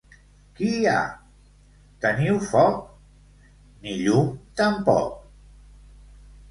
—Qui hi ha? —Teniu foc? —Ni llum tampoc!